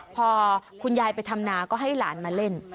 พอคุณยายไปทำนาก็ให้หลานมาเล่น